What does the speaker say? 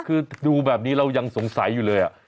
คือดูแบบนี้เรายังสงสัยอยู่เลย